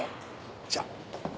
じゃあ。